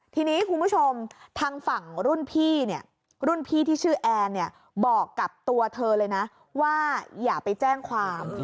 ทีนี้คุณผู้ชมทางฝั่งรุ่นพี่เนี่ยรุ่นพี่ที่ชื่อแอนเนี่ยบอกกับตัวเธอเลยนะว่าอย่าไปแจ้งความ